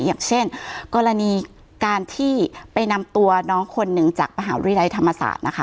อย่างเช่นกรณีการที่ไปนำตัวน้องคนหนึ่งจากมหาวิทยาลัยธรรมศาสตร์นะคะ